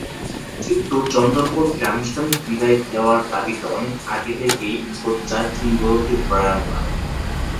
কিন্তু চন্দরপলকে আনুষ্ঠানিক বিদায় দেওয়ার দাবিতে অনেক আগে থেকেই সোচ্চার কিংবদন্তি ব্রায়ান লারা।